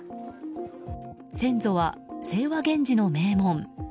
先祖は源氏の名門。